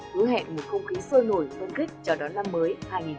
hứa hẹn một không khí sôi nổi phân kích chào đón năm mới hai nghìn hai mươi bốn